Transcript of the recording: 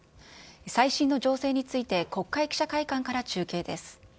最新の情勢について、国会記者会館から中継です。